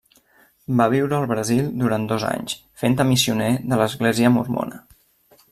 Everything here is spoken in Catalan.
Va viure al Brasil durant dos anys fent de missioner de l'església mormona.